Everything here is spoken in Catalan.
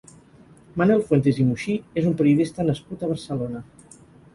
Manel Fuentes i Muixí és un periodista nascut a Barcelona.